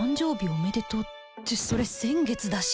おめでとうってそれ先月だし